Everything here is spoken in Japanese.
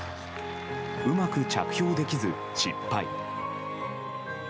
うまく着氷できず、失敗。